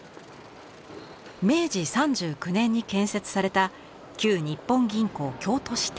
明治３９年に建設された旧日本銀行京都支店。